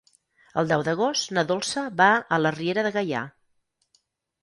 El deu d'agost na Dolça va a la Riera de Gaià.